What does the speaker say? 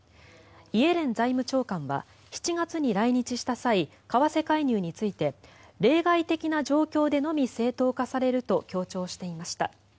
イエレン財務長官は７月に来日した際為替介入について例外的な状況でのみ正当化されると強調していました。